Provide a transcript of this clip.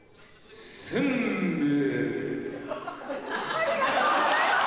ありがとうございます！